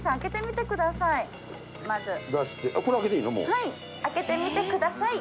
はい開けてみてください！